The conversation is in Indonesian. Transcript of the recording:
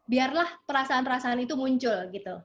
biarlah perasaan perasaan itu muncul gitu